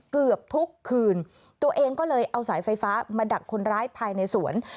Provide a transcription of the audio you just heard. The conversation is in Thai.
เกือบทุกคืนตัวเองก็เลยเอาสายไฟฟ้ามาดักคนร้ายภายในสวน